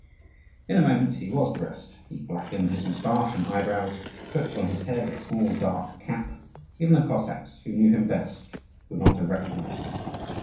In a moment he was dressed. He blackened his moustache and eyebrows, put on his head a small dark cap; even the Cossacks who knew him best would not have recognised him.